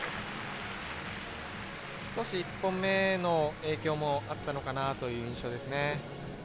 少し１本目の影響もあったのかなという印象です。